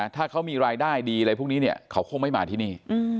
ถ้าเขามีรายได้ดีอะไรพวกนี้เนี่ยเขาคงไม่มาที่นี่